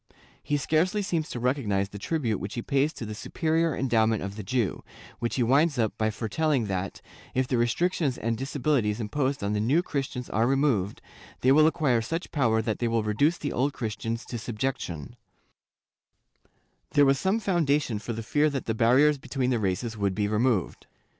He scarcely seems to recognize the tribute which he pays to the superior endowment of the Jew, when he winds up by foretelling that, if the restrictions and disabilities imposed on the New Christians are removed, they will acquire such power that they will reduce the Old Christians to subjection/ There was some foundation for the fear that the barriers between the races would be removed.